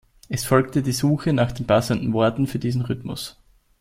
Es folgte die Suche nach den passenden Worten für diesen Rhythmus.